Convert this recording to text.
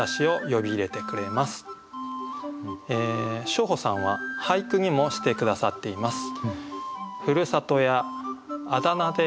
小圃さんは俳句にもして下さっています。